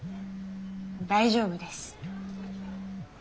大丈夫です。